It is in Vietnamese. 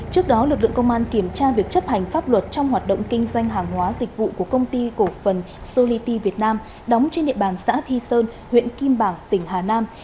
trước đó lực lượng công an kiểm tra việc chấp hành pháp luật trong hoạt động kinh doanh hàng hóa dịch vụ của công ty cổ phần solity việt nam đóng trên địa bàn xã thi sơn huyện kim bảng tỉnh hà nam